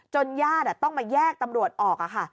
ญาติต้องมาแยกตำรวจออกค่ะ